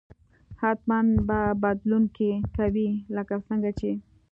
حتما به بدلون کوي لکه څنګه چې